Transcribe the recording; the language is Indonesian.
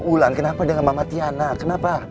wulan kenapa dengan mama tiana kenapa